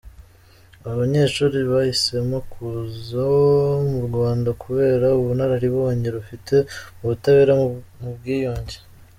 Aba banyeshuri bahisemo kuza mu Rwanda kubera ubunararibonye rufite mu butabera mu bwiyunge.